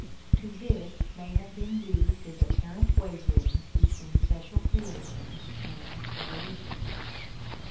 To this may have been due his apparent wavering between Special Creation and Evolution.